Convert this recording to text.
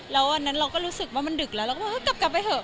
แล้ววันนั้นเราก็รู้สึกว่ามันดึกแล้วเราก็ว่ากลับไปเถอะ